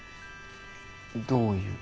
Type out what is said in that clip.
どういう？